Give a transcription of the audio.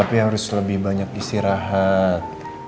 tapi harus lebih banyak istirahat